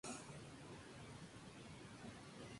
Está enterrado en el Poets' Corner de la abadía de Westminster.